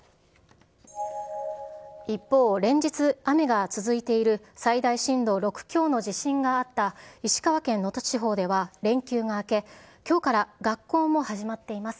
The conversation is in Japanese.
一方、連日雨が続いている最大震度６強の地震があった石川県能登地方では、連休が明け、きょうから学校も始まっています。